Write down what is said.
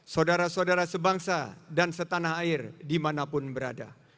saudara saudara sebangsa dan setanah air dimanapun berada